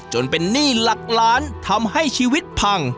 จนเป็นหนี้หลักล้านทำให้ชีวิตพัง